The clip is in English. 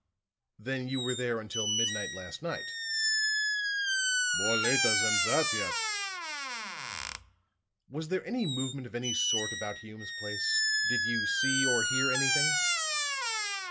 "Then you were there until midnight last night?" "More later than that yet." "Was there any movement of any sort about Hume's place? Did you see or hear anything?"